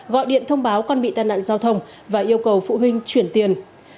gọi điện thông báo con bị tai nạn giao thông và yêu cầu phụ huynh chuyển tiền